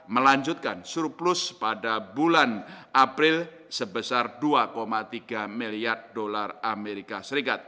melanjutkan surplus pada bulan april sebesar dua tiga miliar dolar as